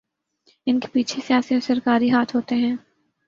انکے پیچھے سیاسی و سرکاری ہاتھ ہوتے ہیں